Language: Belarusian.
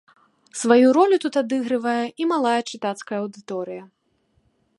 Сваю ролю тут адыгрывае і малая чытацкая аўдыторыя.